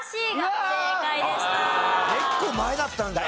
結構前だったんだ。